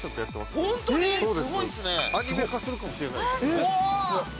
すごいですね！